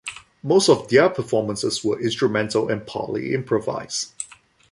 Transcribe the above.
Most of their performances were instrumental and partly improvised.